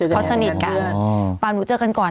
เขาสนิทกันเปล่าหนูเจอกันก่อน